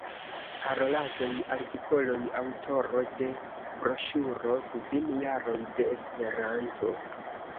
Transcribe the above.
Paroladoj, artikoloj; aŭtoro de broŝuro Kvin jaroj de Esperanto.